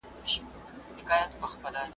چي تړلي مدرسې وي د پنجاب د واسکټونو `